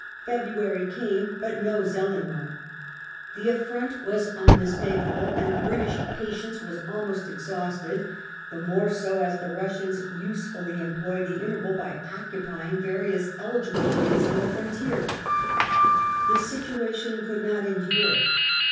February came but still no Zelenoi. The affront was unmistakable, and British patience was almost ex hausted, the more so as the Russians usefully employed the interval by occupying various eligible points on the frontier The situation could not endure.